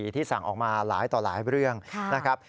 ที่สั่งออกมาหลายต่อหลายเรื่องนะครับ